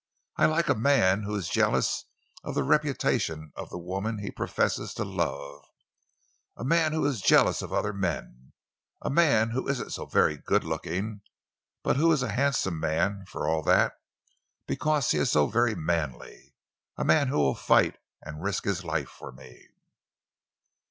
I like a man who is jealous of the reputation of the woman he professes to love; a man who is jealous of other men; a man who isn't so very good looking, but who is a handsome man for all that—because he is so very manly; a man who will fight and risk his life for me."